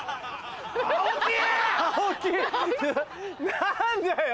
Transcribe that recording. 何だよ